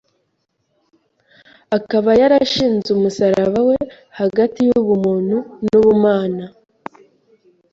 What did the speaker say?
akaba yarashinze umusaraba we hagati y’ubumuntu n’ubumana,